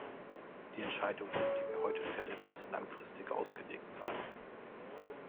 Die Entscheidungen, die wir heute fällen, müssen langfristig ausgelegt sein.